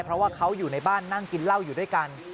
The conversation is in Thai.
เพราะว่าเขาอยู่ในบ้านนั่งกินเหล้าอยู่ด้วยกัน